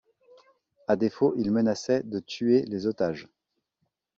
À défaut ils menaçaient de tuer les otages.